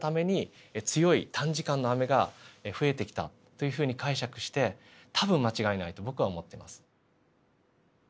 強い短時間の雨が増えてきたというふうに解釈して多分間違いないと僕は思ってます。